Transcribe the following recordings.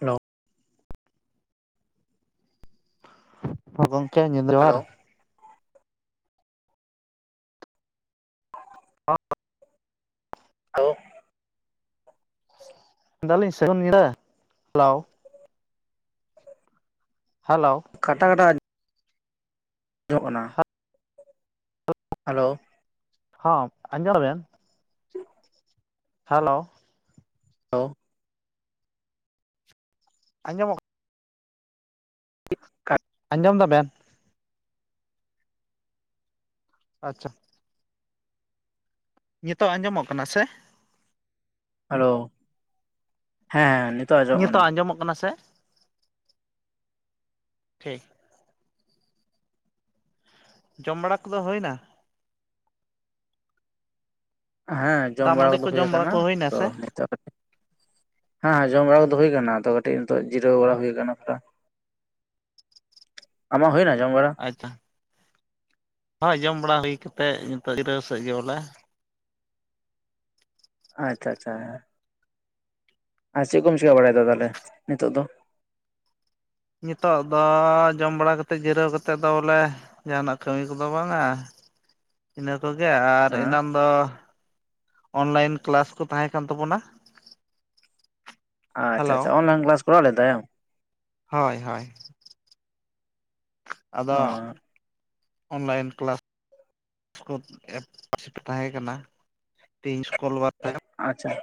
ᱱᱚ ᱜᱚᱝᱠᱮ ᱧᱤᱫᱟ ᱡᱚᱦᱟᱨ ᱦᱮᱞᱳ ᱦᱚ [unintelligible] ᱢᱮᱱᱫᱟᱞᱤᱧ ᱥᱟᱹᱜᱩᱱ ᱧᱤᱫᱟᱹ ᱦᱮᱞᱳ ᱠᱟᱴᱟ ᱠᱟᱴᱟ ᱟᱡ ᱡᱚᱢᱚᱜ ᱠᱟᱱᱟ᱾ ᱦᱮᱞᱳ ᱦᱚᱸ ᱟᱡᱚᱢᱮᱜ ᱟᱢ ᱦᱮᱞᱳ ᱦᱮᱞᱳ ᱟᱸᱡᱚᱢᱚᱜ ᱟᱸᱡᱚᱢ ᱫᱟᱵᱮᱱ ᱟᱪᱪᱷᱟ ᱱᱤᱛᱚᱜ ᱟᱸᱡᱚᱢᱚᱜ ᱠᱟᱱᱟ ᱥᱮ? ᱦᱮᱞᱳ ᱦᱮᱸ ᱱᱤ ᱱᱤᱛᱚᱜ ᱟᱸᱡᱚᱢᱚᱜ ᱠᱟᱱᱟ ᱥᱮ? ᱴᱷᱤᱠ ᱡᱚᱢ ᱵᱟᱲᱟ ᱠᱚᱫᱚ ᱦᱩᱭᱱᱟ? ᱦᱮᱸ ᱡᱚᱢ ᱫᱟᱜ ᱵᱟᱲᱟ ᱢᱟᱹᱰᱤ ᱠᱚᱫᱚ ᱠᱚ ᱦᱩᱭ ᱡᱚᱢ ᱵᱟᱲᱟ ᱟᱠᱟᱱᱟ ᱠᱚ ᱦᱩᱭᱱᱟ ᱛᱚ ᱥᱮ ᱱᱤᱛᱚᱜ ᱠᱟᱹᱴᱤᱡ ᱦᱮᱸ ᱦᱮ ᱡᱚᱢ ᱵᱟᱲᱟ ᱠᱚ ᱫᱚ ᱦᱩᱭ ᱟᱠᱟᱱᱟ᱾ ᱟᱫᱚ ᱠᱟᱹᱴᱤᱡ ᱱᱤᱛᱚᱜ ᱡᱤᱨᱟᱹᱣ ᱵᱟᱲᱟ ᱦᱩᱭ ᱟᱠᱟᱱᱟ ᱛᱟᱨᱯᱚᱨᱮ ᱟᱢᱟᱜ ᱦᱩᱭᱱᱟ ᱡᱚᱢ ᱵᱟᱹᱲᱟ ᱟᱪᱪᱷᱟ ᱦᱳᱭ ᱡᱚᱢ ᱵᱟᱲᱟ ᱦᱩᱭ ᱠᱟᱛᱮᱫ ᱱᱤᱛᱚᱜ ᱡᱤᱨᱟᱹᱣ ᱥᱮᱫ ᱜᱮ ᱵᱚᱞᱮ ᱟᱪᱪᱷᱟ ᱟᱪᱪᱷᱟ ᱟᱨ ᱪᱮᱫ ᱠᱚᱢ ᱪᱮᱠᱟ ᱵᱟᱲᱟᱭᱮᱫᱟ ᱛᱟᱦᱚᱞᱮ ᱱᱤᱛᱚᱜ ᱫᱚ ᱱᱤᱛᱚᱜ ᱫᱚ ᱡᱚᱢ ᱵᱟᱲᱟ ᱠᱟᱛᱮᱫ ᱡᱤᱨᱟᱹᱣ ᱠᱟᱛᱮᱫ ᱫᱚ ᱵᱚᱞᱮ ᱡᱟᱦᱟᱱᱟᱜ ᱠᱟᱹᱢᱤ ᱠᱚᱫᱚ ᱵᱟᱝ ᱟ ᱤᱱᱟᱹ ᱠᱚᱜᱮ ᱟᱨ ᱦᱮᱸ ᱮᱱᱟᱱ ᱫᱚ ᱚᱱᱞᱟᱭᱤᱱ ᱠᱞᱟᱥ ᱠᱚ ᱛᱟᱦᱮᱸ ᱠᱟᱱ ᱛᱟᱵᱚᱱᱟ᱾ ᱟᱪᱪᱷᱟ ᱦᱮᱞᱳ ᱟᱪᱪᱷᱟ ᱚᱱᱞᱟᱭᱤᱱ ᱠᱞᱟᱥ ᱠᱚᱨᱟᱣ ᱞᱮᱫ ᱛᱟᱦᱮᱱᱟᱢ ᱦᱳᱭ ᱦᱳᱭ ᱟᱫᱚ ᱚ ᱚᱱᱞᱟᱭᱤᱱ ᱠᱞᱟᱥ [unintelligible] ᱛᱟᱦᱮᱸ ᱠᱟᱱᱟ ᱛᱮᱦᱮᱧ ᱥᱩᱠᱚᱞ ᱵᱟᱨ ᱛᱟᱦᱮ ᱟᱪᱪᱷᱟ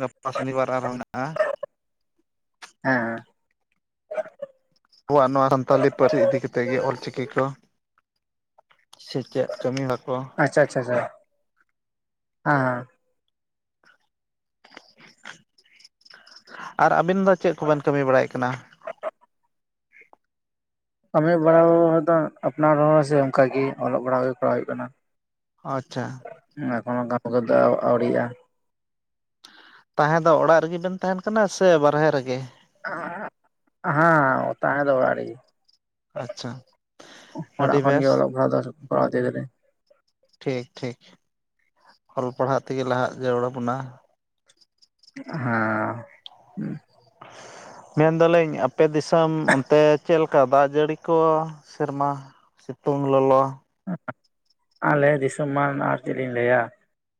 ᱜᱟᱯᱟ ᱥᱚᱱᱤᱵᱟᱨ ᱟᱨᱦᱚᱸ ᱢᱮᱱᱟᱜᱼᱟ ᱦᱮᱸ ᱟᱵᱚᱣᱟᱜ ᱱᱚᱣᱟ ᱥᱟᱱᱛᱟᱞᱤ ᱯᱟᱹᱨᱥᱤ ᱤᱫᱤ ᱠᱟᱛᱮ ᱜᱮ ᱚᱞ ᱪᱤᱠᱤ ᱠᱚ ᱥᱮᱪᱮᱫ ᱠᱟᱹᱢᱤ ᱵᱟᱠᱚ ᱟᱪᱪᱷᱟ ᱟᱪᱪᱷᱟ ᱟᱪᱪᱷᱟ ᱦᱮᱸ ᱦᱮᱸ ᱟᱨ ᱟᱵᱤᱱ ᱫᱚ ᱪᱮᱫ ᱠᱚᱵᱮᱱ ᱠᱟᱹᱢᱤ ᱵᱟᱲᱟᱭᱮᱫ ᱠᱟᱱᱟ ᱠᱟᱹᱢᱤ ᱵᱟᱲᱟ ᱫᱚ ᱟᱯᱱᱟᱨᱦᱚᱸ ᱥᱮ ᱚᱱᱠᱟᱜᱮ ᱚᱞᱚᱜ ᱯᱟᱲᱦᱟᱜ ᱜᱮ ᱠᱚᱨᱟᱣ ᱦᱩᱭᱩᱜ ᱠᱟᱱᱟ᱾ ᱟᱪᱪᱷᱟ ᱮᱠᱷᱚᱱ ᱠᱟᱹᱢᱤ ᱠᱚ ᱫᱚ ᱟᱣᱨᱤᱜᱼᱟ ᱛᱟᱦᱮᱸ ᱫᱚ ᱚᱲᱟᱜ ᱨᱮᱜᱮ ᱵᱮᱱ ᱛᱟᱦᱮᱱ ᱠᱟᱱᱟ ᱥᱮ ᱵᱟᱨᱦᱮ ᱨᱮᱜᱮ ᱦᱮᱸ ᱛᱟᱦᱮ ᱫᱚ ᱚᱲᱟᱜ ᱨᱮᱜᱮ᱾ ᱟᱪᱪᱷᱟ ᱟᱹᱰᱤ ᱚᱲᱟᱜᱹ ᱠᱷᱚᱱ ᱜᱮ ᱵᱮᱥ ᱚᱞᱚᱜ ᱫᱚ ᱠᱚᱨᱟᱣ ᱤᱫᱤ ᱮᱫᱟᱞᱤᱧ᱾ ᱴᱷᱤᱠ ᱴᱷᱤᱠ ᱚᱞ ᱯᱟᱲᱦᱟᱣᱜ ᱛᱮᱜᱮ ᱞᱟᱦᱟᱜ ᱡᱟᱹᱨᱩᱲ ᱟᱵᱚᱱᱟ ᱦᱮᱸ ᱢᱮᱱᱫᱟᱞᱤᱧ ᱟᱯᱮ ᱫᱤᱥᱚᱢ ᱚᱱᱛᱮ ᱪᱮᱫ ᱞᱮᱠᱟ ᱫᱟᱜ ᱡᱟᱹᱲᱤ ᱠᱚ? ᱥᱮᱨᱢᱟ ᱥᱤᱛᱩᱝ ᱞᱚᱞᱚ ᱾ ᱟᱞᱮ ᱫᱤᱥᱚᱢ ᱢᱟ ᱟᱨ ᱪᱮᱜ ᱞᱤᱧ ᱞᱟᱹᱭᱟ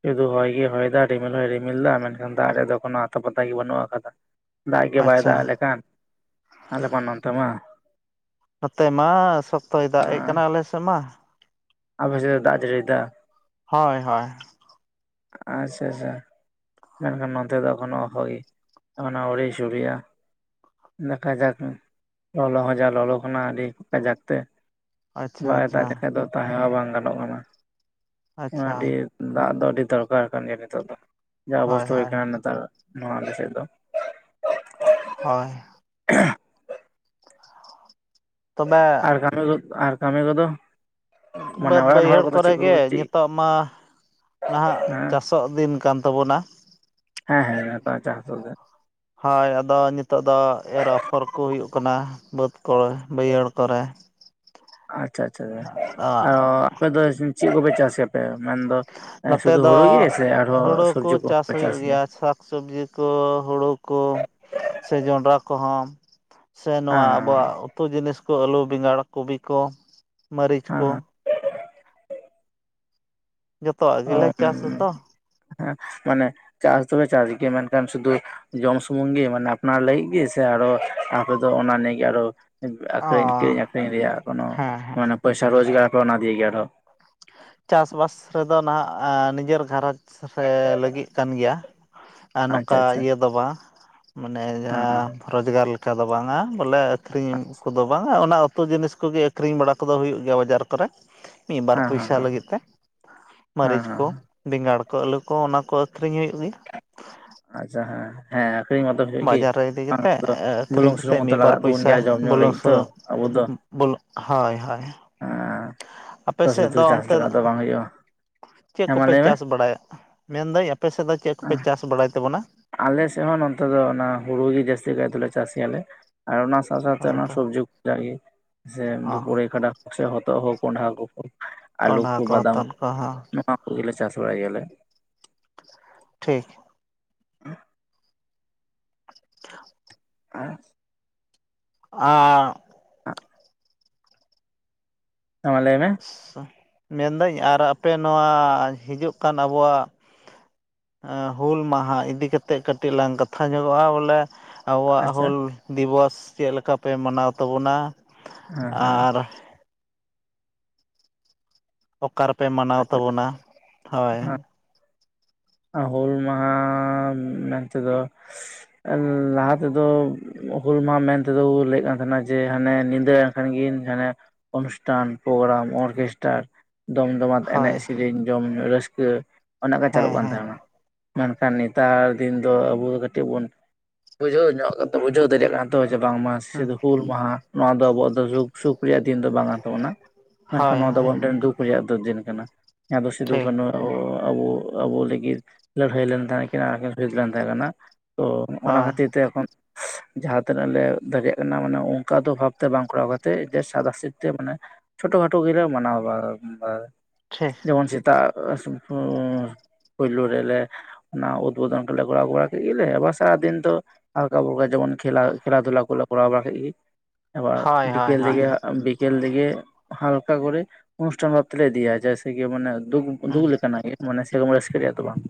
ᱥᱩᱫᱷᱩ ᱦᱚᱭ ᱜᱮ ᱦᱚᱭ ᱫᱟ ᱨᱤᱢᱤᱞ ᱦᱚᱭ ᱨᱤᱢᱤᱞ ᱫᱟ ᱢᱮᱱᱠᱷᱟᱱ ᱫᱟᱜ ᱨᱮᱫᱚ ᱠᱚᱱᱳ ᱟᱛᱟ ᱯᱟᱛᱟ ᱜᱮ ᱵᱟᱹᱱᱩᱜ ᱟᱠᱟᱫᱟ ᱾ ᱫᱟᱜ ᱜᱮ ᱵᱟᱭ ᱟᱪᱪᱷᱟ ᱫᱟᱜ ᱟᱞᱮ ᱠᱟᱱ ᱟᱞᱮ ᱢᱟ ᱱᱚᱛᱮ ᱢᱟ ᱾ ᱱᱚᱛᱮ ᱢᱟ ᱥᱚᱠᱛᱚᱭ ᱫᱟᱜ ᱮᱜ ᱠᱟᱱᱟ ᱟᱞᱮ ᱥᱮᱜ ᱢᱟ ᱾ ᱟᱯᱮ ᱥᱮᱜ ᱫᱚ ᱫᱟᱜ ᱡᱟᱹᱲᱤ ᱫᱟ? ᱦᱳᱭ ᱦᱳᱭ ᱾ ᱟᱪᱪᱷᱟ ᱟᱪᱪᱷᱟ ᱾ ᱢᱮᱱᱠᱷᱟᱱ ᱱᱚᱛᱮ ᱫᱚ ᱮᱠᱷᱚᱱᱳ ᱦᱚᱭ ᱟᱹᱣᱨᱤ ᱥᱩᱨᱩᱭᱟ ᱾ ᱫᱟᱠᱟᱡᱟᱠ ᱞᱚᱞᱚ ᱦᱚᱸ ᱡᱟ ᱞᱚᱞᱚ ᱠᱟᱱᱟ ᱟᱹᱰᱤ ᱠᱟᱡᱟᱠ ᱛᱮ ᱾ ᱟᱪᱪᱷᱟ ᱵᱟᱭ ᱫᱟᱜ ᱟᱪᱪᱷᱟ ᱞᱮᱠᱷᱟᱡ ᱫᱚ ᱛᱟᱦᱮᱸ ᱦᱚᱸ ᱵᱟᱝ ᱜᱟᱱᱚᱜ ᱠᱟᱱᱟ ᱟᱹᱰᱤ ᱟᱪᱪᱷᱟ ᱫᱟᱜ ᱫᱚ ᱟᱹᱰᱤ ᱼᱼ ᱫᱚᱨᱠᱟᱨ ᱠᱟᱱ ᱜᱮᱭᱟ ᱱᱤᱛᱚᱜ ᱫᱚ ᱡᱟ ᱦᱳᱭ ᱚᱵᱚᱥᱛᱷᱟ ᱦᱩᱭ ᱦᱳᱭ ᱠᱟᱱᱟ ᱱᱮᱛᱟᱨ ᱱᱚᱣᱟ ᱟᱞᱮ ᱥᱮᱫ ᱫᱚ ᱾ ᱦᱳᱭ ᱼᱼ ᱛᱚᱵᱮ ᱼᱼ ᱟᱨ ᱠᱟᱹᱢᱤ [inaudible] ᱟᱨ ᱠᱟᱹᱢᱤ ᱠᱚᱫᱚ? ᱢᱟᱱᱮ ᱵᱟᱹᱫᱽ ᱚᱲᱟᱜ ᱨᱮᱱ ᱦᱚᱲ ᱵᱟᱹᱭᱦᱟᱹᱲ ᱠᱚᱫᱚ ᱠᱚᱨᱮ ᱪᱮᱫ ᱜᱮ ᱠᱚ ᱪᱮᱫ ᱧᱤᱛᱚᱜ ᱢᱟ ᱱᱟᱦᱟᱜ ᱦᱮᱸ ᱪᱟᱥ ᱼᱼ ᱛᱚᱜ ᱫᱤᱱ ᱠᱟᱱ ᱛᱟᱵᱚᱱᱟ ᱾ ᱦᱮᱸ ᱦᱮᱸ [unintelligible] ᱦᱳᱭ ᱟᱫᱚ ᱱᱤᱛᱚᱜ ᱫᱚ ᱮᱨ ᱟᱯᱷᱚᱨ ᱠᱚ ᱦᱩᱭᱩᱜ ᱠᱟᱱᱟ ᱾ ᱵᱟᱹᱫᱽ ᱠᱚᱨᱮ ᱵᱟᱹᱭᱦᱟᱹᱲ ᱠᱚᱨᱮ ᱾ ᱟᱪᱪᱷᱟ ᱟᱪᱪᱷᱟ ᱟᱸ ᱚ ᱟᱯᱮᱫ ᱫᱚ ᱪᱤᱜ ᱠᱚᱯᱮ ᱪᱟᱥ ᱜᱮᱭᱟᱯᱮ? ᱢᱮᱱ ᱫᱚ ᱱᱚᱛᱮ ᱥᱩᱫᱷᱩ ᱫᱚ ᱦᱩᱲᱩ ᱜᱤ ᱥᱮ ᱟᱨᱦᱚᱸ ᱥᱚᱵᱽᱡᱤ ᱠᱚ ᱪᱟᱥ ᱜᱮᱭᱟ? ᱥᱚᱵᱽᱡᱤ ᱠᱚ ᱦᱳᱲᱩ ᱠᱚ ᱥᱮ ᱡᱚᱱᱰᱨᱟ ᱠᱚᱦᱚᱸ ᱾ ᱥᱮ ᱦᱮᱸ ᱱᱚᱣᱟ ᱟᱵᱚᱣᱟᱜ ᱩᱛᱩ ᱡᱤᱱᱤᱥ ᱠᱚ ᱟᱹᱞᱩ ᱵᱮᱸᱜᱟᱲ ᱠᱚᱵᱤ ᱠᱚ ᱢᱟᱹᱨᱤᱪ ᱠᱚ ᱾ ᱦᱮᱸ ᱡᱚᱛᱚᱣᱟᱜ ᱜᱮᱞᱮ ᱪᱟᱥ ᱫᱚ [unintelligible] ᱢᱟᱱᱮ ᱪᱟᱥ ᱫᱚᱵᱮ ᱪᱟᱥ ᱜᱮ ᱢᱮᱱᱠᱷᱟᱱ ᱥᱩᱫᱩ ᱼᱼ ᱡᱚᱢ ᱥᱩᱢᱩᱝ ᱜᱮ ᱢᱟᱱᱮ ᱟᱯᱱᱟᱨ ᱞᱟᱹᱜᱤᱜ ᱜᱤ ᱥᱮ ᱟᱨᱚ ᱟᱯᱮ ᱫᱚ ᱚᱱᱟ ᱱᱤᱭᱮ ᱜᱮ ᱟᱨᱚ ᱼᱼ ᱚ ᱟᱠᱷᱨᱤᱧ ᱠᱤᱨᱤᱧ ᱟᱠᱷᱨᱤᱧ ᱨᱮᱭᱟᱜ ᱠᱚᱱᱚ ᱦᱮᱸ ᱦᱮᱸ ᱢᱟᱱᱮ ᱯᱚᱭᱥᱟ ᱨᱳᱡᱽᱜᱟᱨ ᱚᱱᱟ ᱫᱤᱭᱮ ᱜᱮ ᱟᱨᱦᱚᱸ? ᱪᱟᱥᱵᱟᱥ ᱨᱮᱫᱚ ᱱᱟᱦᱟᱜ ᱱᱤᱡᱮᱨ ᱜᱷᱟᱨᱚᱸᱡᱽ ᱼᱼ ᱥᱮᱨᱮ ᱞᱟᱹᱜᱤᱫ ᱠᱟᱱ ᱜᱮᱭᱟ ᱟᱨ ᱟᱪᱪᱷᱟ ᱱᱚᱠᱟ ᱟᱪᱪᱷᱟ ᱤᱭᱟᱹ ᱫᱚ ᱵᱟ ᱾ ᱢᱟᱱᱮ ᱦᱮᱸ ᱡᱟᱦᱟᱸ ᱨᱚᱡᱽᱜᱟᱨ ᱞᱮᱠᱟ ᱫᱚ ᱵᱟᱝᱟ ᱵᱚᱞᱮ ᱟᱹᱠᱷᱨᱤᱧ ᱠᱚᱫᱚ ᱵᱟᱝᱟ ᱚᱱᱟ ᱼᱼ ᱡᱚᱛᱚ ᱡᱤᱱᱤᱥ ᱠᱚᱜᱮ ᱟᱹᱠᱷᱨᱤᱧ ᱵᱟᱲᱟ ᱠᱚᱫᱚ ᱦᱩᱭᱩᱜ ᱜᱮᱭᱟ ᱵᱟᱡᱟᱨ ᱠᱚᱨᱮ ᱾ ᱦᱮᱸ ᱦᱮᱸ ᱯᱩᱭᱥᱟ ᱦᱮᱸ ᱞᱟᱹᱜᱤᱫ ᱛᱮ ᱦᱮᱸ ᱢᱟᱹᱨᱤᱪ ᱠᱚ ᱦᱮᱸ ᱵᱮᱸᱜᱟᱲ ᱠᱚ ᱟᱹᱞᱩ ᱠᱚ ᱚᱱᱟ ᱠᱚ ᱟᱹᱷᱨᱤᱧ ᱦᱩᱭᱩᱜ ᱜᱮᱭᱟ ᱾ ᱟᱪᱪᱷᱟ ᱦᱮᱸ ᱾ ᱦᱮᱸ ᱟᱠᱷᱨᱤᱧ ᱢᱟᱛᱚ ᱦᱩᱭᱩᱜ ᱜᱤ ᱵᱟᱡᱟᱨ ᱨᱮ ᱤᱫᱤ ᱠᱟᱛᱮᱫ ᱟᱹᱠᱷᱨᱤᱧ ᱵᱩᱞᱩᱝ ᱥᱩᱱᱩᱝ ᱠᱟᱛᱮᱫ ᱢᱚᱛᱚ ᱢᱤᱫ ᱵᱟᱨ ᱞᱟᱜᱟᱜ ᱛᱟᱵᱚᱱ ᱜᱮᱭᱟ ᱡᱚᱢ ᱧᱩ ᱞᱟᱹᱜᱤᱫ ᱛᱚ ᱟᱵᱚ ᱫᱚ ᱾ ᱵᱳᱞᱳᱜ ᱦᱚᱭ ᱦᱚᱭ ᱾ ᱦᱮᱸᱼᱼ ᱟᱯᱮ ᱥᱮᱜ ᱫᱚ ᱚᱱᱛᱮ ᱫᱚ ᱪᱮᱜ ᱦᱮᱸ ᱢᱟ ᱠᱚᱯᱮ ᱞᱟᱹᱭ ᱢᱮ ᱪᱟᱥ ᱵᱟᱲᱟᱭᱟ? ᱢᱮᱱᱫᱟᱹᱧ ᱟᱯᱮᱥᱮᱜ ᱫᱚ ᱪᱮᱫ ᱠᱚᱯᱮ ᱪᱟᱥ ᱵᱟᱲᱟᱭ ᱛᱟᱵᱚᱱᱟ? ᱟᱞᱮᱥᱮᱜ ᱦᱚᱸ ᱱᱚᱛᱮ ᱫᱚ ᱚᱱᱟ ᱦᱩᱲᱩ ᱜᱤ ᱡᱟᱹᱥᱛᱤ ᱠᱟᱭ ᱫᱚᱞᱮ ᱪᱟᱥ ᱜᱮᱭᱟᱞᱮ ᱾ ᱟᱨ ᱚᱱᱟ ᱥᱟᱶ ᱥᱟᱶᱛᱮ ᱚᱱᱟ ᱦᱚᱸ ᱥᱚᱵᱡᱤ ᱠᱚ ᱡᱟᱜᱤ ᱥᱮ ᱯᱩᱨᱟᱹᱭ ᱠᱷᱰᱟ ᱼᱼ ᱥᱮ ᱦᱚᱛᱚᱫ ᱦᱳ ᱠᱚᱸᱰᱷᱟ ᱠᱚ ᱦᱳᱠ ᱟᱞᱩ ᱠᱚ ᱠᱚᱸᱰᱷᱟ ᱵᱟᱫᱟᱢ ᱦᱚᱛᱚᱫ ᱠᱚ ᱦᱚᱸ ᱱᱚᱣᱟ ᱠᱚᱜᱮᱞᱮ ᱪᱟᱥ ᱵᱟᱲᱟᱭ ᱜᱮᱭᱟᱞᱮ ᱾ ᱴᱷᱤᱠ ᱼᱼ [unintelligible] [unintelligible] ᱟ ᱼᱼ ᱟᱻ ᱟᱸᱜ ᱼᱼ ᱦᱮᱸ ᱢᱟ ᱞᱟᱹᱭ ᱢᱮ? ᱢᱮᱱᱫᱟᱹᱧ ᱟᱨ ᱟᱯᱮ ᱱᱚᱣᱟ ᱦᱤᱡᱩᱜ ᱠᱟᱱ ᱟᱵᱚᱣᱟᱜ ᱼᱼ ᱦᱩᱞ ᱢᱟᱦᱟ ᱤᱫᱤ ᱠᱟᱛᱮᱜ ᱠᱟᱹᱴᱤᱡ ᱞᱟᱝ ᱠᱟᱛᱷᱟ ᱧᱚᱜᱚᱜᱼᱟ ᱵᱚᱞᱮ ᱾ ᱟᱵᱚᱣᱟᱜ ᱟᱪᱪᱷᱟ ᱦᱩᱞ ᱫᱤᱵᱚᱥ ᱪᱮᱫ ᱞᱮᱠᱟᱯᱮ ᱢᱟᱱᱟᱣ ᱛᱟᱵᱚᱱᱟ, ᱦᱮᱸ ᱦᱮᱸ ᱟᱨ ᱚᱠᱟᱨ ᱨᱮᱯᱮ ᱢᱟᱱᱟᱣ ᱟᱪᱪᱷᱟ ᱛᱟᱵᱚᱱᱟ ᱦᱚᱭ᱾ ᱦᱮᱸ ᱦᱩᱞ ᱢᱟᱦᱟ ᱢᱮᱱᱛᱮ ᱫᱚ ᱞᱟᱦᱟ ᱛᱮ ᱫᱚ ᱦᱩᱞ ᱢᱟᱦᱟ ᱢᱮᱱᱛᱮ ᱫᱚ ᱠᱚ ᱞᱟᱹᱭᱮᱫ ᱠᱟᱱ ᱛᱟᱦᱮ‍ᱸᱱᱟ ᱡᱮ ᱦᱟᱱᱮ ᱧᱤᱫᱟᱹ ᱮᱱ ᱠᱷᱟᱱᱜᱤᱱ ᱦᱟᱱᱮ ᱚᱱᱩᱥᱴᱷᱟᱱ ᱯᱨᱳᱜᱨᱟᱢ ᱚᱨᱠᱮᱥᱴᱟᱨ ᱫᱚᱢ ᱫᱚᱢ ᱦᱳᱭ ᱮᱱᱮᱡ ᱥᱮᱨᱮᱧ ᱡᱚᱢ ᱧᱩ ᱨᱟᱹᱥᱠᱟᱹ ᱚᱱᱮ ᱚᱱᱠᱟ ᱦᱮᱸ ᱪᱟᱹᱞᱩᱜ ᱠᱟᱱ ᱦᱮᱸ ᱛᱟᱦᱮᱸᱱᱟ ᱢᱮᱱᱠᱷᱟᱱ ᱱᱮᱛᱟᱨ ᱫᱤᱱ ᱫᱚ ᱟᱵᱚ ᱫᱚ ᱠᱟᱹᱴᱤᱡ ᱵᱚᱱ ᱵᱩᱡᱷᱟᱹᱣ ᱧᱚᱜ ᱵᱩᱡᱷᱟᱹᱣ ᱫᱟᱲᱮᱭᱟᱜ ᱠᱟᱱ ᱛᱟᱦᱮᱸᱱᱟ ᱛᱚ ᱪᱮ ᱵᱟᱝ ᱢᱟ ᱦᱩᱸ ᱥᱩᱫᱩ ᱦᱩᱞ ᱢᱟᱦᱟ ᱱᱚᱣᱟ ᱫᱚ ᱟᱵᱚᱣᱟᱜ ᱫᱚ ᱫᱩᱠ ᱥᱩᱠ ᱨᱮᱭᱟᱜ ᱫᱤᱱ ᱫᱚ ᱵᱟᱝ ᱠᱟᱱ ᱛᱟᱵᱚᱱᱟ ᱢᱮᱱᱠᱷᱟᱱ ᱦᱳᱭ ᱱᱚᱣᱟ ᱫᱚ ᱦᱳᱭ ᱟᱵᱚᱣᱟᱜ ᱢᱤᱫ ᱴᱮᱱ ᱫᱩᱠ ᱨᱮᱭᱟᱜ ᱫᱚ ᱫᱤᱱ ᱠᱟᱱᱟ ᱡᱟᱦᱟᱸ ᱫᱚ ᱥᱤᱫᱩ ᱴᱷᱤᱠ ᱠᱟᱹᱱᱩ ᱟᱵᱚ ᱟᱵᱚ ᱞᱟᱹᱜᱤᱫ ᱞᱟᱹᱲᱦᱟᱹᱭ ᱞᱮᱱ ᱛᱟᱦᱮᱸ ᱠᱤᱱ ᱟᱨ ᱠᱤᱱ ᱯᱷᱤᱴ ᱞᱮᱱ ᱛᱟᱦᱮᱸ ᱠᱟᱱᱟ ᱛᱚ ᱚᱱᱟ ᱦᱳᱭ ᱠᱷᱟᱹᱛᱤᱨ ᱛᱮ ᱮᱠᱷᱚᱱ [unintelligible] ᱡᱟᱦᱟᱸ ᱛᱤᱱᱟᱹᱜ ᱞᱮ ᱫᱟᱲᱮᱭᱟᱜ ᱠᱟᱱᱟ ᱢᱟᱱᱮ ᱚᱱᱠᱟ ᱫᱚ ᱵᱷᱟᱵᱽ ᱛᱮ ᱵᱟᱝ ᱠᱚᱨᱟᱣ ᱠᱟᱛᱮᱜ ᱡᱮ ᱥᱟᱫᱟ ᱥᱤᱛ ᱛᱮ ᱢᱟᱱᱮ ᱪᱷᱳᱴᱳ ᱠᱷᱟᱴᱳ ᱜᱮᱞᱮ ᱢᱟᱱᱟᱣ ᱵᱟ ᱴᱷᱤᱠ ᱡᱮᱢᱚᱱ ᱥᱮᱛᱟᱜ ᱯᱚᱭ ᱯᱳᱭᱞᱚ ᱨᱮᱞᱮ ᱚᱱᱟ ᱩᱫᱽᱵᱳᱫᱚᱱ ᱠᱚᱞᱮ ᱠᱳᱨᱟᱣ ᱵᱟᱲᱟ ᱠᱮᱫ ᱜᱮᱞᱮ ᱟᱵᱟᱨ ᱥᱟᱨᱟᱫᱤᱱ ᱛᱚ ᱟᱨᱞᱠᱟ ᱵᱠᱟ ᱡᱮᱢᱚᱱ ᱠᱷᱮᱞᱟ ᱠᱷᱮᱞᱟ ᱫᱷᱩᱞᱟ ᱠᱚ ᱠᱚᱨᱟᱣ ᱵᱟᱲᱟᱠ ᱜᱮ ᱟᱵᱟᱨ ᱦᱳᱭ ᱦᱳᱭ ᱵᱤᱠᱮᱞ ᱦᱳᱭ ᱫᱤᱜᱮ ᱵᱤᱠ ᱵᱤᱠᱮᱞ ᱛᱮᱜᱮ ᱦᱟᱞᱠᱟ ᱠᱚᱨᱮ ᱚᱱᱩᱥᱴᱷᱟᱱ ᱵᱷᱟᱵ ᱛᱮᱞᱮ ᱤᱫᱤᱭᱟ ᱡᱮᱭᱥᱮᱠᱤ ᱢᱟᱱᱮ ᱫᱩᱠ ᱫᱩᱠ ᱞᱮᱠᱟᱱᱟᱜ ᱜᱮᱸ ᱢᱟᱱᱮ ᱥᱮᱨᱚᱢ ᱨᱟᱹᱥᱠᱟᱹ ᱨᱮᱭᱟ ᱫᱚ ᱵᱟᱝ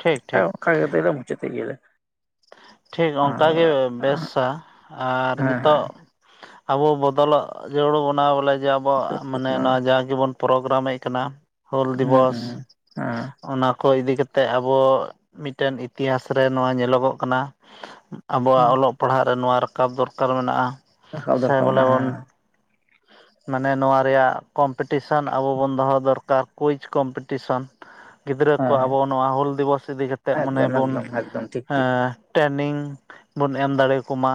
ᱴᱷᱤᱠ ᱟᱨ ᱴᱷᱤᱠ ᱚᱱᱠᱟ ᱠᱟᱛᱮ ᱜᱮᱞᱮ ᱢᱩᱪᱟᱹᱫ ᱠᱮᱜ ᱜᱮᱸ ᱟᱞᱮ ᱴᱷᱤᱠ ᱚᱱᱠᱟ ᱜᱮᱸ ᱵᱮᱥᱟ ᱟᱨ ᱦᱮᱸ ᱱᱤᱛᱚᱜ ᱦᱮᱸ ᱟᱵᱚ ᱵᱚᱫᱚᱞᱚᱜ ᱡᱟᱹᱨᱩᱲ ᱵᱚᱱᱟ ᱵᱚᱞᱮ ᱡᱮ ᱟᱵᱚ ᱢᱟᱱᱮ ᱦᱩᱸ ᱱᱚᱣᱟ ᱡᱟ ᱜᱮᱵᱚᱱ ᱯᱨᱳᱜᱨᱟᱢᱮᱜ ᱠᱟᱱᱟ ᱦᱩᱞ ᱦᱩᱸ ᱫᱤᱵᱚᱥ ᱦᱮᱸ ᱚᱱᱟ ᱠᱚ ᱤᱫᱤ ᱠᱟᱛᱮᱜ ᱟᱵᱚ ᱢᱤᱫ ᱴᱮᱱ ᱤᱛᱤᱦᱟᱥ ᱨᱮ ᱱᱚᱣᱟ ᱧᱮᱞᱚᱜᱚᱜ ᱠᱟᱱᱟ ᱦᱩᱸ ᱟᱵᱚᱣᱟᱜ ᱚᱞᱚᱜ ᱯᱟᱲᱦᱟᱜ ᱨᱮ ᱱᱚᱣᱟ ᱨᱟᱠᱟᱵ ᱫᱚᱨᱠᱟᱨ ᱢᱮᱱᱟᱜᱼᱟ᱾ ᱨᱟᱠᱟᱵ ᱥᱮ ᱫᱚᱨᱠᱟᱨ ᱵᱚᱞᱮ ᱚᱱᱟ ᱵᱚᱱ ᱦᱮᱸ ᱢᱟᱱᱮ ᱱᱚᱣᱟ ᱨᱮᱭᱟᱜ ᱠᱚᱢᱯᱤᱴᱤᱥᱮᱱ ᱟᱵᱚ ᱵᱚᱱ ᱫᱚᱦᱚ ᱫᱚᱨᱠᱟᱨ ᱠᱩᱭᱪ ᱠᱚᱢᱯᱤᱴᱤᱥᱮᱱ ᱜᱤᱫᱽᱨᱟᱹ ᱠᱚ ᱦᱮᱸ ᱟᱵᱚ ᱱᱚᱣᱟ ᱦᱩᱞ ᱫᱤᱵᱚᱥ ᱤᱫᱤ ᱠᱟᱛᱮᱫ ᱢᱟᱱᱮ ᱮᱠᱫᱚᱢ ᱵᱚᱱ ᱮᱠᱫᱚᱢ ᱮᱠᱫᱚᱢ ᱴᱷᱤᱠ ᱦᱮᱸ ᱴᱷᱤᱠ ᱴᱨᱮᱱᱤᱝ ᱵᱚᱱ ᱮᱢ ᱫᱟᱲᱮ ᱟᱠᱚ ᱢᱟ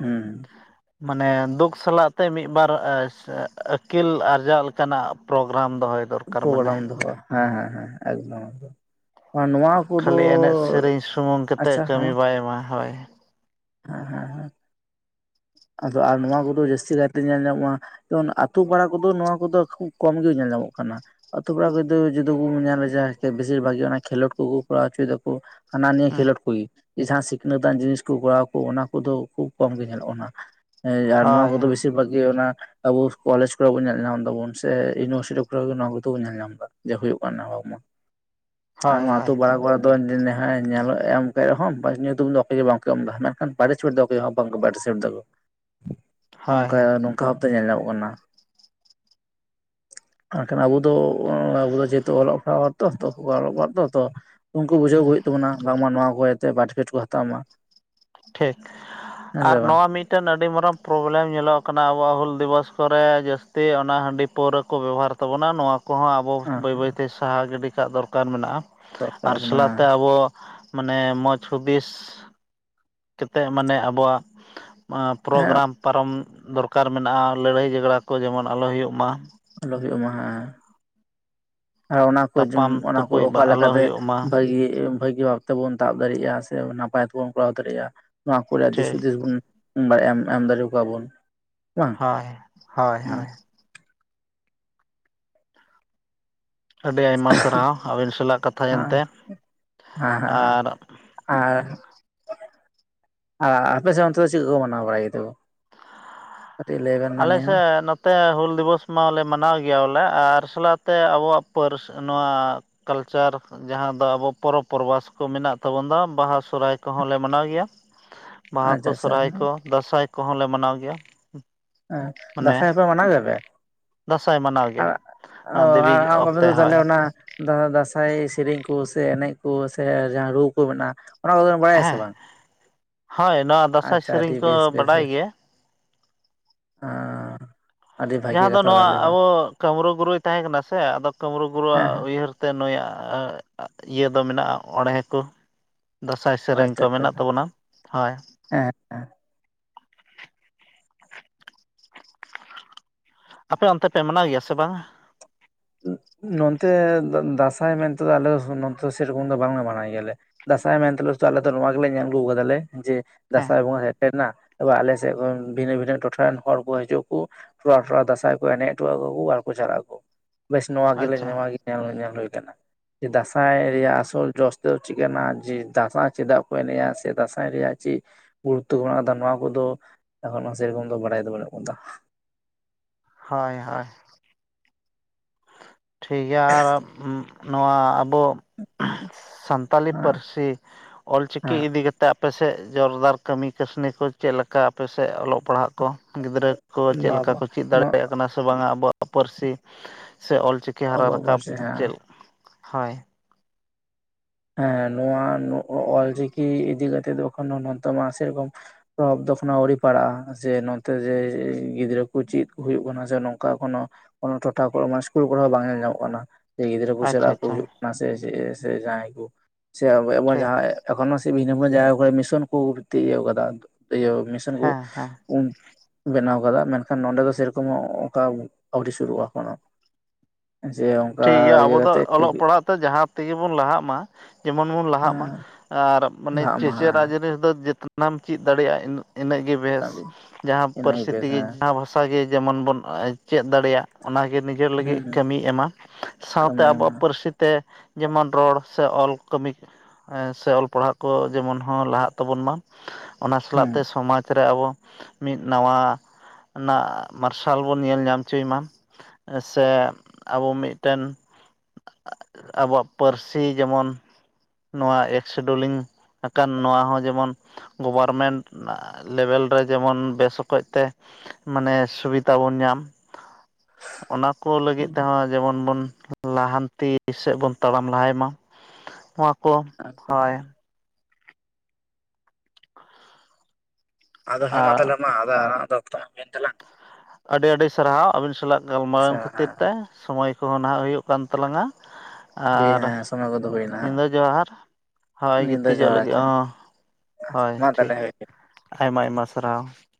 ᱦᱩᱸ ᱢᱟᱱᱮ ᱫᱩᱠ ᱥᱟᱞᱟᱜ ᱛᱮ ᱢᱤᱫ ᱵᱟᱨ ᱟᱹᱠᱤᱞ ᱟᱨᱡᱟᱜ ᱞᱮᱠᱟᱱᱟᱜ ᱯᱨᱳᱜᱨᱟᱢ ᱫᱚᱦᱚᱭ ᱫᱚᱨᱠᱟᱨ ᱯᱨᱳᱜᱨᱟᱢ ᱢᱮᱱᱟᱭᱟ ᱫᱚᱦᱚ ᱦᱮᱸ ᱦᱮᱸ ᱦᱮᱸ ᱮᱠᱫᱚᱢ ᱮᱠᱫᱚᱢ ᱱᱚᱣᱟ ᱠᱚᱫᱚ ᱠᱷᱟᱹᱞᱤ ᱮᱱᱮᱡ ᱥᱮᱨᱮᱧ ᱥᱩᱢᱩᱝ ᱟᱪᱪᱷᱟ ᱠᱟᱛᱮᱫ ᱦᱮᱸ ᱠᱟᱹᱢᱤ ᱢᱟ ᱵᱟᱭ ᱮᱢᱟ ᱦᱚᱭ ᱦᱮᱸ ᱦᱮᱸ ᱦᱮᱸ ᱟᱫᱚ ᱟᱨ ᱱᱚᱣᱟ ᱠᱚᱫᱚ ᱡᱟᱹᱥᱛᱤ ᱠᱟᱭ ᱧᱮᱞ ᱧᱟᱢᱚᱜᱼᱟ ᱡᱮᱢᱚᱱ ᱟᱛᱳ ᱯᱟᱲᱟ ᱠᱚᱫᱚ ᱱᱚᱣᱟ ᱠᱚᱫᱚ ᱠᱷᱩᱵ ᱠᱚᱢ ᱜᱮ ᱧᱮᱞ ᱧᱟᱢᱚᱜ ᱠᱟᱱᱟ ᱟᱹᱛᱩ ᱠᱚᱲᱟ ᱠᱚ ᱫᱚ ᱡᱩᱫᱟᱹ ᱜᱮᱵᱚᱱ ᱧᱮᱞᱟ ᱡᱟᱦᱟᱸ ᱵᱮᱥᱤᱨ ᱵᱷᱟᱜ ᱜᱮ ᱚᱱᱟ ᱠᱷᱮᱞᱳᱱᱰ ᱠᱚ ᱠᱚ ᱠᱚᱨᱟᱣ ᱦᱳᱪᱳᱭ ᱫᱟᱠᱚ ᱦᱟᱱᱟ ᱱᱤᱭᱟᱹ ᱦᱩᱸ ᱠᱷᱮᱞᱳᱰ ᱠᱚ ᱜᱮ ᱡᱟᱦᱟᱸ ᱥᱤᱠᱷᱱᱟᱹᱛ ᱟᱱ ᱡᱤᱱᱤᱥ ᱠᱚ ᱠᱚᱨᱟᱣ᱾ ᱚᱱᱟ ᱠᱚᱫᱚ ᱠᱷᱩᱵ ᱠᱚᱢ ᱜᱮ ᱧᱮᱞᱚᱜ ᱠᱟᱱᱟ ᱟᱨ ᱱᱚᱣᱟ ᱦᱳᱭ ᱠᱚᱫᱚ ᱵᱤᱥᱤᱨ ᱵᱷᱟᱜᱽ ᱜᱮ ᱚᱱᱟ᱾ ᱟᱵᱚ ᱠᱚᱞᱮᱡᱽ ᱠᱚᱨᱮ ᱵᱚᱱ ᱧᱮᱞ ᱧᱟᱢ ᱫᱟᱵᱩᱱ ᱥᱮ ᱤᱭᱩᱱᱤᱵᱷᱟᱨᱥᱤᱴᱤ ᱠᱚᱨᱮ ᱱᱚᱣᱟ ᱠᱚᱫᱚ ᱵᱚᱱ ᱧᱮᱞ ᱧᱟᱢ ᱮᱫᱟ ᱡᱮ ᱦᱳᱭᱳᱜ ᱠᱟᱱᱟ [inaudible] ᱟᱨ ᱱᱚᱣᱟ ᱦᱳᱭ ᱟᱹᱛᱩ ᱯᱟᱲᱟ ᱠᱚᱨᱮ ᱫᱚ ᱧᱮᱞ ᱧᱟᱢ ᱠᱮᱫ ᱨᱮᱦᱚᱸ ᱵᱟᱥ ᱧᱩᱛᱩᱢ ᱫᱚ ᱚᱠᱚᱭ ᱜᱮ ᱵᱟᱝ ᱠᱚ ᱮᱢ ᱮᱫᱟ ᱢᱮᱱ ᱠᱷᱟᱱ ᱯᱟᱨᱴᱤᱥᱤᱯᱮᱴ ᱫᱚ ᱚᱠᱚᱭ ᱦᱚᱸ ᱵᱟᱝ ᱠᱚ ᱯᱟᱨᱴᱤᱫᱤᱯᱮᱴ ᱫᱟᱠᱚ ᱦᱳᱭ ᱱᱚᱝᱠᱟ ᱱᱚᱝᱠᱟ ᱵᱷᱟᱵᱛᱮ ᱧᱮᱞ ᱧᱟᱢᱚᱜ ᱠᱟᱱᱟ [unintelligible] ᱮᱱᱠᱷᱟᱱ ᱟᱵᱚ ᱫᱚ ᱟᱵᱚ ᱫᱚ ᱡᱮᱦᱮᱛᱩ ᱚᱞᱚᱜ ᱯᱟᱲᱦᱟᱜ ᱦᱚᱲ ᱛᱚ ᱚᱞᱚᱜ ᱯᱟᱲᱦᱟᱜ ᱛᱚ ᱩᱱᱠᱩ ᱵᱩᱡᱷᱟᱹᱣ ᱠᱚ ᱦᱩᱭᱩᱜ ᱛᱟᱵᱚᱱᱟ ᱵᱟᱝ ᱢᱟ ᱱᱚᱣᱟ ᱠᱚ ᱤᱭᱟᱹ ᱮᱛᱮ ᱯᱟᱴᱤᱫᱤᱯᱮᱴ ᱵᱟᱠᱮᱴ ᱠᱚ ᱦᱟᱛᱟᱣ ᱢᱟ ᱴᱷᱤᱠ ᱦᱮᱸ ᱟᱨ ᱥᱮ ᱵᱟᱝ ᱱᱚᱣᱟ ᱢᱤᱫ ᱢᱤᱫ ᱴᱮᱱ ᱟᱹᱰᱤ ᱢᱟᱨᱟᱝ ᱯᱨᱚᱵᱞᱮᱢ ᱧᱮᱞᱚᱜ ᱠᱟᱱᱟ ᱟᱵᱚᱣᱟᱜ ᱦᱩᱞ ᱫᱤᱵᱚᱥ ᱠᱚᱨᱮ ᱡᱟᱹᱥᱛᱤ ᱚᱱᱟ ᱦᱟᱺᱰᱤ ᱯᱟᱹᱣᱨᱟᱹ ᱠᱚ ᱵᱮᱵᱚᱦᱟᱨᱟ ᱛᱟᱵᱚᱱᱟ ᱱᱚᱣᱟ ᱠᱚᱦᱚᱸ ᱟᱵᱚ ᱦᱮᱸ ᱵᱟᱹᱭ ᱵᱟᱹᱭᱛᱮ ᱥᱟᱦᱟ ᱜᱤᱰᱤ ᱠᱟᱜ ᱫᱚᱨᱠᱟᱨ ᱢᱮᱱᱟᱜᱼᱟ ᱫᱚᱨᱠᱟᱨ ᱟᱨ ᱵᱚᱱᱟ ᱥᱟᱞᱟᱜᱛᱮ ᱟᱵᱚ᱾ ᱢᱟᱱᱮ ᱢᱚ ᱦᱩᱫᱤᱥ ᱠᱟᱛᱮᱫ ᱢᱟᱱᱮ ᱟᱵᱚᱣᱟᱜ ᱦᱮᱸ ᱯᱨᱳᱜᱨᱟᱢ᱾ ᱯᱟᱨᱚᱢ ᱫᱚᱨᱠᱟᱨ ᱢᱮᱱᱟᱜᱼᱟ ᱞᱟᱹᱲᱦᱟᱹᱭ ᱡᱷᱚᱜᱽᱲᱟ ᱠᱚ ᱡᱮᱢᱚᱱ ᱟᱞᱚ ᱦᱩᱭᱩᱜ ᱢᱟ ᱟᱞᱚ ᱦᱩᱭᱩᱜᱢᱟ ᱦᱮᱸ ᱟᱨ ᱚᱱᱟᱠᱚ ᱛᱟᱯᱟᱢ ᱚᱱᱟᱠᱩ ᱛᱩᱯᱩᱡ ᱚᱠᱟ ᱵᱟ ᱟᱞᱚ ᱞᱮᱠᱟᱛᱮ ᱦᱩᱭᱩᱜ ᱢᱟ ᱵᱷᱟᱹᱜᱤ ᱵᱷᱟᱹᱜᱤ ᱵᱷᱟᱵ ᱛᱮᱵᱚᱱ ᱛᱟᱵ ᱫᱟᱲᱮᱭᱟᱜᱼᱟ ᱥᱮ ᱱᱟᱯᱟᱭ ᱛᱮᱵᱚᱱ ᱠᱚᱨᱟᱣ ᱫᱟᱲᱮᱭᱟᱜᱼᱟ ᱱᱚᱣᱟ ᱠᱚᱨᱮ ᱫᱤᱥ ᱴᱷᱤᱠ ᱦᱩᱫᱤᱥ ᱵᱚᱱ ᱵᱟ ᱮᱢ ᱮᱢ ᱫᱟᱲᱮᱚᱣᱟ ᱵᱚᱱ ᱵᱟᱝ ᱦᱳᱭ ᱦᱳᱭ ᱦᱮᱸ ᱦᱳᱭ ᱟᱹᱰᱤ ᱟᱭᱢᱟ ᱥᱟᱨᱦᱟᱣ ᱟᱹᱵᱤᱱ ᱥᱟᱞᱟᱜ ᱦᱮᱸ ᱠᱟᱛᱷᱟᱟᱭᱮᱱᱛᱮ ᱦᱮᱸ ᱦᱮᱸ ᱟᱨ ᱟᱨ ᱟᱨ ᱟᱯᱮᱮᱥᱮᱫ ᱚᱱᱛᱮ ᱫᱚ ᱪᱮᱫ ᱠᱚ ᱢᱟᱱᱟᱣ ᱵᱟᱲᱟᱭᱚ ᱟᱨᱴ ᱞᱟᱱ ᱟᱞᱮᱮᱥᱮᱫ ᱛᱮ ᱦᱩᱞ ᱫᱤᱵᱚᱥ ᱢᱟᱞᱮ ᱢᱟᱱᱟᱣ ᱜᱮᱭᱟ ᱵᱚᱞᱮ ᱟᱨ ᱥᱟᱞᱟᱜᱛᱮ ᱟᱵᱚᱣᱟᱜ ᱯᱟᱹᱨᱥᱤ ᱱᱚᱣᱟ ᱠᱟᱞᱪᱟᱨ ᱡᱟᱦᱟᱸ ᱫᱚ ᱟᱵᱚ ᱯᱚᱨᱚᱵᱽ ᱯᱚᱨᱵᱷᱟᱥ ᱠᱚ ᱢᱮᱱᱟᱜ ᱛᱟᱵᱚ ᱫᱚ ᱵᱟᱦᱟ ᱥᱚᱦᱨᱟᱭ ᱠᱚᱦᱚᱸᱞ ᱞᱮ ᱢᱟᱱᱟᱣ ᱜᱮᱭᱟ ᱵᱟᱦᱟ ᱠᱚ ᱟᱪᱪᱷᱟ ᱟᱪᱪᱷᱟ ᱥᱚᱨᱦᱟᱭ ᱦᱮᱸ ᱠᱚ ᱫᱟᱸᱥᱟᱭ ᱠᱚᱦᱚᱸᱞ ᱞᱮ ᱢᱟᱱᱟᱣ ᱜᱮᱭᱟ ᱦᱮᱸ ᱢᱟᱱᱮ ᱫᱟᱸᱥᱟᱭᱯᱟᱨ ᱢᱟᱱᱟ ᱡᱵ ᱫᱟᱸᱥᱟᱭ ᱢᱟᱱᱟᱣ ᱟᱨ ᱜᱮᱭᱟ ᱚ ᱚᱱᱟ ᱫᱮᱵᱤ ᱟᱨ ᱵᱟ ᱚᱠᱛᱮ ᱫᱚ ᱛᱟᱦᱚᱞᱮ ᱦᱳᱭ ᱚᱱᱟ ᱫᱟᱸᱥᱟᱭ ᱥᱮᱨᱮᱧ ᱠᱚ ᱥᱮ ᱮᱱᱮᱡ ᱠᱚ ᱥᱮ ᱡᱟᱦᱟᱸ ᱨᱩ ᱠᱚ ᱢᱮᱱᱟᱜᱼᱟ ᱚᱱᱟ ᱠᱚᱫᱚ ᱵᱟᱲᱟᱭᱟ ᱥᱮ ᱦᱮᱸ ᱵᱟᱝ ᱦᱳᱭ ᱱᱚᱣᱟ ᱫᱟᱸᱥᱟᱭ ᱟᱪᱪᱷᱟ ᱥᱮᱨᱮᱧ ᱴᱷᱤᱠ ᱵᱮᱥ ᱠᱚ ᱵᱮᱥ ᱵᱟᱰᱟᱭ ᱵᱮᱥ ᱜᱮᱭᱟ ᱟᱨ ᱡᱟᱦᱟᱸ ᱫᱚ ᱱᱚᱣᱟ ᱟᱵᱚ ᱠᱟᱢᱨᱩ ᱜᱩᱨᱩᱭ ᱛᱟᱦᱮᱸ ᱠᱟᱱᱟ ᱥᱮ ᱟᱫᱚ ᱠᱟᱢᱨ ᱜᱩᱨᱩᱣᱟᱜ ᱦᱮᱸ ᱦᱮᱸ ᱩᱭᱦᱟᱹᱨ ᱛᱮ ᱱᱩᱭᱟᱜ ᱤᱭᱟᱹ ᱫᱚ ᱢᱮᱱᱟᱜᱼᱟ ᱚᱬᱦᱮ ᱠᱚ ᱫᱟᱸᱥᱟᱭ ᱟᱪᱪᱷᱟ ᱥᱮᱨᱮᱧᱠᱚ ᱢᱮᱱᱟᱜ ᱟᱪᱪᱷᱟ ᱛᱟᱵᱚᱱᱟ ᱦᱳᱭ ᱦᱮᱸ ᱟᱯᱮ ᱚᱱᱛᱮ ᱯᱮ ᱢᱟᱱᱟᱣ ᱜᱮᱭᱟ ᱥᱮ ᱵᱟᱝᱟ ᱱᱚᱱᱛᱮ ᱫᱟᱸᱥᱟᱭ ᱢᱮᱱᱛᱮᱮᱫᱚ ᱟᱞᱮ ᱫᱚ ᱫᱚ ᱥᱮᱨᱚᱠᱚᱢ ᱫᱚ ᱵᱟᱝᱞᱮ ᱢᱟᱱᱟᱭ ᱜᱮᱭᱟᱞᱮ ᱫᱟᱸᱥᱟᱭ ᱢᱮᱱᱛᱮᱟᱞᱮ ᱥᱩᱫᱩ ᱟᱞᱮᱚ ᱱᱚᱣᱟ ᱜᱮᱞᱮ ᱧᱮᱞ ᱟᱹᱜᱩ ᱟᱠᱟᱫᱟᱞᱮ ᱡᱮ ᱦᱮᱸ ᱫᱟᱸᱟᱭ ᱵᱚᱸᱜᱟ ᱮᱵ ᱟᱞᱮ ᱥᱮᱫ ᱵᱷᱤᱱᱟᱹ ᱵᱷᱤᱱᱟᱹᱚ ᱴᱚᱴᱷᱟ ᱨᱮᱱ ᱦᱚᱲ ᱠᱚ ᱦᱤᱡᱩᱜ ᱠᱚ ᱛᱷᱚᱲᱞᱟ ᱴᱷᱚᱲᱟ ᱫᱟᱸᱟᱭ ᱠᱚ ᱮᱱᱮᱡ ᱦᱚᱴᱚᱣᱟᱣᱟ ᱠᱚ ᱟᱨ ᱠᱚ ᱪᱟᱞᱟᱜ ᱟᱠᱚ ᱵᱮᱥ ᱱᱚᱣᱟ ᱜᱮᱞᱮ ᱟᱪᱪᱷᱟ ᱱᱚᱣᱟ ᱜᱮ ᱧᱮᱞ ᱧᱮᱞ ᱦᱩᱭ ᱟᱠᱟᱱᱟ ᱡᱮ ᱫᱟᱸᱟᱭ ᱨᱮᱭᱟᱜ ᱟᱥᱚᱞ ᱡᱚᱥ ᱛᱮᱫᱚ ᱪᱮᱫ ᱠᱟᱱᱟ ᱡᱮ ᱫᱟᱸᱟᱭ ᱪᱮᱫᱟᱜ ᱠᱚ ᱮᱱᱮᱡᱼᱟ ᱥᱮ ᱫᱟᱸ ᱨᱮᱭᱟᱜ ᱪᱮᱫ ᱜᱩᱨᱩᱛᱛᱚ ᱠᱚ ᱢᱮᱱᱟᱜ ᱟᱠᱟᱫᱟ ᱱᱚᱣᱟ ᱠᱚᱫᱚ ᱮᱠᱷᱚᱱ ᱥᱮᱨᱚᱠᱚᱢ ᱫᱚ ᱵᱟᱰᱟᱭ ᱫᱚ ᱵᱟᱹᱱᱩᱜ ᱟᱠᱟᱫᱟ ᱦᱳᱭ ᱦᱳᱭ ᱴᱷᱤᱠ ᱜᱮᱭᱟ ᱟᱨ ᱱᱚᱣᱟ ᱟᱵᱚ ᱥᱟᱱᱛᱟᱞᱤ ᱦᱮᱸ ᱯᱟᱹᱨᱥᱤ ᱚᱞ ᱪᱤᱠᱤ ᱦᱮᱸ ᱤ ᱛᱮ ᱟᱯᱮᱥᱮᱫ ᱡᱳᱨᱫᱟᱨ ᱠᱟᱹᱢᱤ ᱠᱟᱹᱥᱱᱤ ᱠᱚ ᱪᱮᱫ ᱞᱮᱠᱟ ᱟᱯᱮᱥᱮᱫ ᱚᱞᱚᱜ ᱯᱟᱲᱦᱟᱜ ᱠᱚ ᱜᱤᱫᱽᱨᱟᱹ ᱠᱚ ᱪᱮᱫ ᱵᱟ ᱵᱟ ᱞᱮᱠᱟ ᱠᱚ ᱪᱮᱫ ᱱᱚᱣᱟ ᱫᱟᱲᱮᱭᱟᱜ ᱠᱟᱱᱟ ᱥᱮ ᱵᱟᱝᱟ ᱟᱵᱚᱣᱟᱜ ᱯᱟᱹᱨᱥᱤ ᱥᱮ ᱚᱞᱪᱤᱠ ᱪᱤᱠᱤ ᱦᱟᱨᱟ ᱟᱵᱚᱣᱟᱜ ᱨᱟᱠᱟᱵ ᱯᱟᱹᱨᱥᱤ ᱪᱮᱫ ᱦᱮᱸ ᱦᱳᱭ ᱦᱮᱸ ᱱᱚᱣᱟ ᱚᱞᱪᱤᱠᱤ ᱤᱫᱤ ᱠᱟᱛᱮ ᱛᱚᱠᱷᱚᱱ ᱱᱫ ᱢᱟᱥ ᱥᱮᱨᱚᱠᱚᱢ ᱯᱚᱨᱚᱵ ᱫᱚᱠᱷᱚᱱᱚ ᱟᱹᱣᱨᱤ ᱯᱟᱲᱟᱜᱼᱟ ᱡᱮ ᱱᱚᱛᱮ ᱡᱮ ᱜᱤᱫᱽᱨᱟᱹ ᱠᱚ ᱪᱮᱫ ᱠᱚ ᱦᱩᱭᱩᱜ ᱠᱟᱱᱟ ᱥᱮ ᱱᱚᱝᱠᱟ ᱠᱚᱱᱚ ᱠᱚᱱᱱᱳ ᱴᱚᱴᱷᱟ ᱠᱚ ᱢᱮ ᱤᱥᱠᱩᱞ ᱠᱚᱨᱮ ᱦᱚᱸ ᱵᱟᱝ ᱧᱮᱞ ᱧᱟᱢᱚᱜ ᱠᱟᱱᱟ ᱥᱮ ᱜᱤᱫᱽᱨᱟᱹ ᱠᱚ ᱟᱪᱪᱷᱟ ᱥᱮᱞᱟᱜᱚ ᱟᱪᱪᱷᱟ ᱦᱩᱭᱩᱜ ᱠᱟᱱᱟ ᱥᱮ ᱥᱮ ᱡᱟᱦᱟᱸᱭ ᱠᱚ ᱥᱮᱵ ᱴᱷᱤᱠ ᱡᱟᱦᱟᱸᱭ ᱮᱠᱷᱚᱱ ᱥᱮ ᱵᱷᱤ ᱵᱷ ᱢᱤᱥᱚᱱ ᱠᱚ ᱤᱭᱟᱹ ᱟᱠᱟᱫᱟ ᱤᱭᱟᱹ ᱢᱤᱥᱚᱱ ᱠᱚ ᱦᱮᱸ ᱦᱮᱸ ᱵᱮᱱᱟᱣ ᱟᱠᱟᱫᱟ ᱢᱮᱱᱠᱷᱟᱱ ᱱᱚᱸᱰᱮ ᱫᱚ ᱥᱮᱨᱚᱠᱚᱢ ᱚᱱᱠᱟ ᱟᱹᱣᱨᱤ ᱥᱩᱨᱩᱜᱼᱟ ᱠᱳ ᱡᱮᱢ ᱴᱷᱤᱠ ᱜᱮᱭᱟ ᱟᱵᱚ ᱫᱚ ᱚᱞᱚᱜ ᱯᱟᱲᱦᱟᱜ ᱛᱮ ᱡᱟᱦᱟᱸ ᱛᱮᱜᱮ ᱵᱚᱱ ᱞᱟᱦᱟᱜ ᱢᱟ ᱡᱮᱢᱚᱱ ᱵᱚᱱ ᱞᱟᱦᱟᱜ ᱢᱟ ᱟᱨ ᱢᱟᱱᱮ ᱞᱟᱦᱟᱜ ᱢᱟ ᱪᱮᱪᱟᱜ ᱦᱮᱸ ᱡᱤᱱᱤᱥ ᱫᱚ ᱡ ᱚᱱᱟᱢ ᱪᱮᱫ ᱫᱟᱲᱮᱭᱟᱜᱼᱟ ᱤᱱᱟᱹᱜ ᱜᱮ ᱵᱮᱥ ᱠᱟᱹᱢᱤ ᱡᱟᱦᱟᱸ ᱤᱱᱟᱹᱜᱮ ᱯᱟᱹᱨᱥᱤ ᱵᱮᱥ ᱛᱮᱜᱮ ᱦᱮᱸ ᱡᱟᱦᱟᱸ ᱦᱟᱥᱟᱮ ᱡᱮᱢᱚᱱ ᱵᱚᱱ ᱪᱮᱫ ᱫᱟᱲᱮᱭᱟᱜ ᱚᱱᱟᱜᱮ ᱱᱤᱡᱮᱨ ᱦᱩᱸ ᱞᱟᱹᱜᱤᱫ ᱦᱩᱸ ᱠᱟᱹᱢᱤᱭ ᱮᱢᱟ ᱥᱟᱶᱛᱮ ᱠᱟᱹᱢᱤ ᱮᱢ ᱟᱵᱚᱣᱟᱜ ᱯᱟᱹᱨᱥᱤ ᱛᱮ ᱡᱮᱢᱚᱱ ᱨᱚᱲ ᱥᱮ ᱚᱞ ᱠᱟᱹᱢᱤ ᱥᱮ ᱚᱞ ᱯᱟᱲᱦᱟᱜ ᱠᱚ ᱡᱮᱢᱚᱱ ᱦᱚᱸ ᱞᱟᱦᱟᱜ ᱛᱟᱵᱚᱱ ᱢᱟ ᱚᱱᱟ ᱥᱟᱞᱟᱜ ᱛᱮ ᱦᱮᱸ ᱥᱚᱢᱟᱡᱽ ᱨᱮ ᱟᱵᱚ ᱢᱤᱫ ᱱᱟᱣᱟ ᱱᱟᱜ ᱢᱟᱨᱥᱟᱞ ᱵᱚᱱ ᱧᱮᱞ ᱧᱟᱢ ᱦᱚᱪᱚᱭ ᱢᱟ ᱥᱮ ᱟᱵᱚ ᱢᱤᱫᱴᱮᱱ ᱟᱵᱚᱣᱟᱜ ᱯᱟᱹᱨᱥᱤ ᱡᱮᱢᱚᱱ ᱱᱚᱣᱟ ᱮᱠᱥᱤᱰᱩᱞᱤᱝ ᱟᱠᱟᱱ ᱱᱚᱣᱟ ᱦᱚᱸ ᱡᱮᱢᱚᱱ ᱜᱚᱵᱷᱚᱨᱢᱮᱱᱴ ᱞᱮᱵᱮᱞ ᱨᱮ ᱡᱮᱢᱚᱱ ᱵᱮᱥ ᱚᱠᱚᱡ ᱛᱮ ᱢᱟᱱᱮ ᱥᱩᱵᱤᱫᱟ ᱵᱚᱱ ᱧᱟᱢ ᱚᱱᱟ ᱠᱚ ᱞᱟᱹᱜᱤᱫ ᱛᱮᱦᱚᱸ ᱡᱮᱢᱚᱱ ᱵᱚᱱ ᱞᱟᱦᱟᱱᱛᱤ ᱥᱮᱫ ᱵᱚᱱ ᱛᱟᱲᱟᱢ ᱞᱟᱦᱟᱭ ᱢᱟ ᱱᱚᱣᱟ ᱠᱚ ᱦᱚᱭ ᱮᱠᱫᱚᱢ ᱟᱫᱚ ᱦᱮᱸ ᱢᱟ ᱟᱨ ᱛᱟᱦᱚᱞᱮ ᱢᱟ ᱟᱫᱚ ᱟᱨ ᱫᱚ ᱚᱠᱛᱚ ᱢᱟ ᱦᱩᱭᱮᱱ ᱛᱟᱞᱟᱝ ᱟᱹᱰᱤ ᱟᱹᱰᱤ ᱥᱟᱨᱦᱟᱣ ᱟᱹᱵᱤᱱ ᱥᱟᱞᱟᱜ ᱟᱪᱪᱷᱟ ᱜᱟᱞᱢᱟᱨᱟᱣᱮᱱ ᱠᱷᱟᱹᱛᱤᱨ ᱛᱮ ᱥᱚᱢᱚᱭ ᱠᱚᱦᱚᱸ ᱱᱟᱦᱟᱜ ᱦᱩᱭᱩᱜ ᱠᱟᱱ ᱛᱟᱞᱟᱝ-ᱟ ᱦᱮᱸ ᱟᱨ ᱦᱮᱸ ᱥᱚᱢᱚᱭ ᱠᱚᱫᱚ ᱦᱩᱭᱱᱟ ᱧᱤᱫᱟᱹ ᱦᱟᱸᱜ ᱡᱚᱦᱟᱨ ᱦᱚᱭ ᱱᱤᱛ ᱫᱚ ᱜᱤᱛᱤᱡᱚᱜ ᱡᱚᱦᱟᱨ ᱞᱟᱹᱜᱤᱫ ᱟᱪᱪᱷᱟ ᱦᱚᱸ ᱦᱳᱭ ᱢᱟ ᱴᱷᱤᱠ ᱛᱟᱦᱞᱮ ᱦᱚᱭ ᱟᱭᱢᱟ ᱟᱭᱢᱟ ᱥᱟᱨᱦᱟᱣ